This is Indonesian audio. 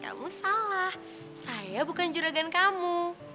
kamu salah saya bukan juragan kamu